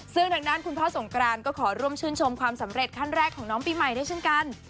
ซึ่งทางด้านคุณพ่อสงกรานก็ขอร่วมชื่นชมความสำเร็จขั้นแรกของน้องปีใหม่ด้วยเช่นกัน